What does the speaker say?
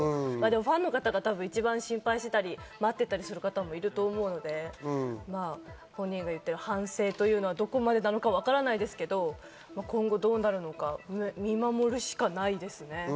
ファンの方が一番心配していたり、待っていたりする方もいると思うので、本人が言ってる反省というのがどこまでなのかわからないですけど、今後どうなるのか、見守るしかないですね。